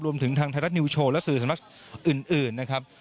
ทางไทยรัฐนิวโชว์และสื่อสำนักอื่นนะครับ